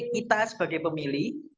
kita sebagai pemilih